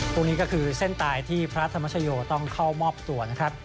พวกนี้ก็คือเส้นตายที่พระธรรมชโยต้องเข้ามอบตัวนะครับ